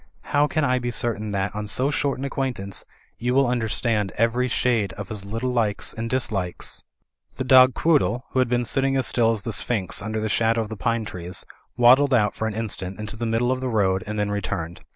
How can I be cer tain that, on so short an acquaintance, you will imder stand every shade of his little likes and dislikes?'* The dog Quoodle, who had been sitting as still as the sphinx under the shadow of the pine trees, waddled out for an instant into the middle of the road and then returned.